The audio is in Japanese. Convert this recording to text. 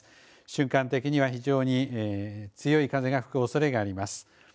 瞬間的には非常に強い風が吹くおそれがあります。